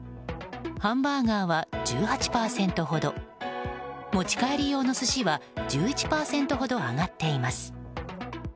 ハンバーガーは１８％ほど持ち帰り用の寿司は１１％ほど上がっています。